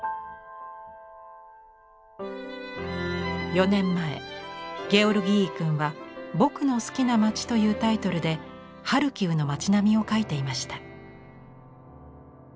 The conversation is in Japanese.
４年前ゲオルギーイ君は「僕の好きな町」というタイトルでハルキウの町並みを描いていました。